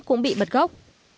cũng bị bật gốc